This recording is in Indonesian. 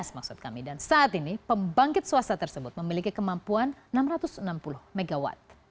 maksud kami dan saat ini pembangkit swasta tersebut memiliki kemampuan enam ratus enam puluh mw